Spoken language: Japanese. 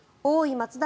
松田